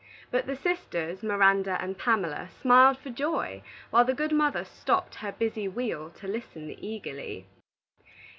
But the sisters, Miranda and Pamela, smiled for joy, while the good mother stopped her busy wheel to listen eagerly.